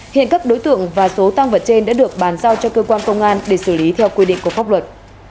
hiện các đối tượng và số tăng vật trên đã được bàn giao cho cơ quan công an để xử lý theo quy định của pháp luật